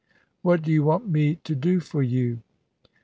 "What do you want me to do for you?"